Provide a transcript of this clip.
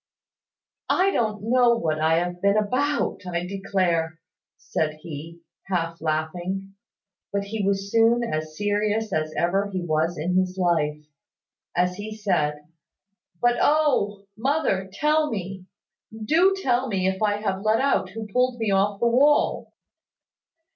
"I don't know what I have been about, I declare," said he, half laughing. But he was soon as serious as ever he was in his life, as he said, "But oh! Mother, tell me, do tell me if I have let out who pulled me off the wall."